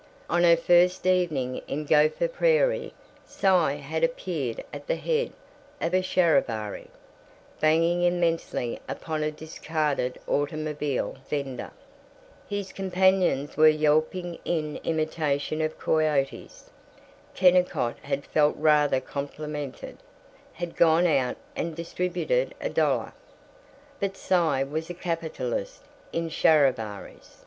On her first evening in Gopher Prairie Cy had appeared at the head of a "charivari," banging immensely upon a discarded automobile fender. His companions were yelping in imitation of coyotes. Kennicott had felt rather complimented; had gone out and distributed a dollar. But Cy was a capitalist in charivaris.